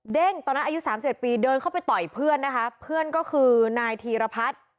เด้งตอนนั้นอายุ๓๑ปีเดินเข้าไปต่อยเพื่อนนะคะเพื่อนก็คือนายธีรพัฒน์